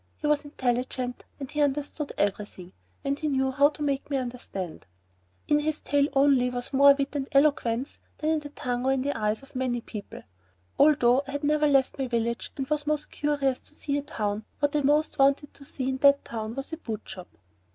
He was intelligent, and he understood every thing, and he knew how to make you understand. In his tail only was more wit and eloquence than in the tongue or in the eyes of many people. Although I had never left my village and was most curious to see a town, what I most wanted to see in that town was a boot shop.